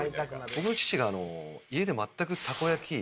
僕の父が家で全くたこ焼き